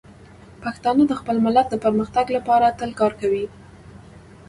پښتانه د خپل ملت د پرمختګ لپاره تل کار کوي.